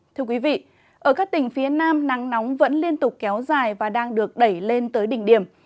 thưa quý vị ở các tỉnh phía nam nắng nóng vẫn liên tục kéo dài và đang được đẩy lên tới đỉnh điểm